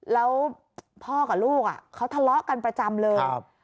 แล้วพ่อกับลูกเขาทะเลาะกันประจำเลย